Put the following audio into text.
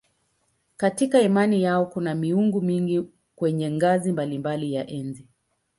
Katika imani yao kuna miungu mingi kwenye ngazi mbalimbali ya enzi.